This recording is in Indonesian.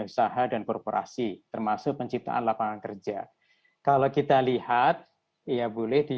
usaha dan korporasi termasuk penciptaan lapangan kerja kalau kita lihat ya boleh di